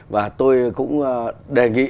và tôi cũng đề nghị